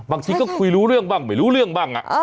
บางทีก็คุยรู้เรื่องบ้างไม่รู้เรื่องบ้าง